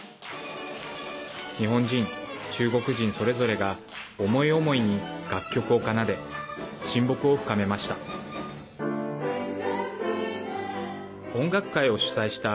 日本人、中国人それぞれが思い思いに楽曲を奏で親睦を深めました。